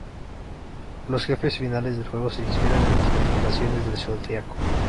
Los jefes finales del juego se inspiran en las constelaciones del zodiaco.